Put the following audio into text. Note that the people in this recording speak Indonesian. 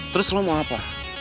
terus lo mau apa